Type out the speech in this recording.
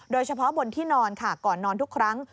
โดยเฉพาะบนที่นอนค่ะก่อนนอนทุกครั้ง